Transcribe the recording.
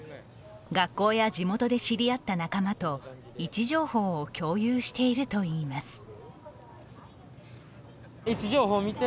学校や地元で知り合った仲間と位置情報を共有しているといいます。